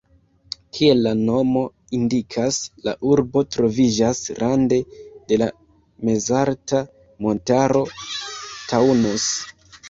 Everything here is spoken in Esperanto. Kiel la nomo indikas, la urbo troviĝas rande de la mezalta montaro Taunus.